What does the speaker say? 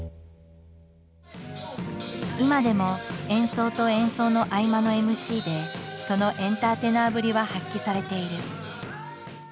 今でも演奏と演奏の合間のＭＣでそのエンターテイナーぶりは発揮されている。